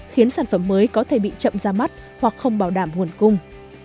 khiến sản phẩm mới có thể bị chậm ra mắt hoặc không bảo đảm nguồn cung